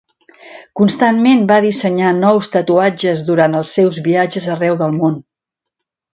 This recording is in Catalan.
Constantment va dissenyar nous tatuatges durant els seus viatges arreu del món.